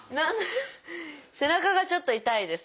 背中がちょっと痛いです。